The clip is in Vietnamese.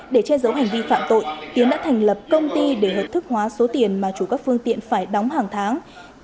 để che giấu hành vi phạm tội tiến đã thành lập công ty để hợp thức hóa số tiền mà chủ các phương tiện phải đóng hàng tháng